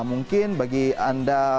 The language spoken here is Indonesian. mungkin bagi anda